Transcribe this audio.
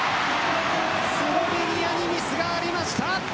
スロベニアにミスがありました。